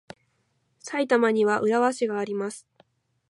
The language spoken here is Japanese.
埼玉には浦和市があります。